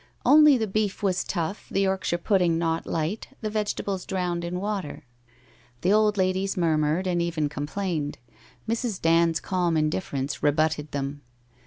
Only the beef was tough, the York shire pudding not light, the vegetables drowned in water. The old ladies murmured, and even complained. Mrs. Dand's calm indifference rebutted them.